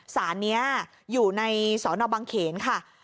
สารนี้อยู่ในสนบังเขนค่ะ